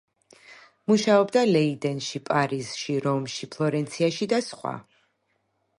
მუშაობდა ლეიდენში, პარიზში, რომში, ფლორენციაში და სხვა.